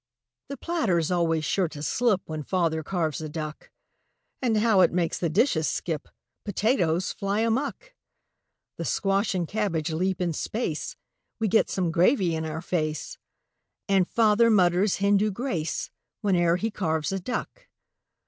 The platter's always sure to slip When Father carves a duck. And how it makes the dishes skip! Potatoes fly amuck! The squash and cabbage leap in space We get some gravy in our face And Father mutters Hindu grace Whene'er he carves a duck.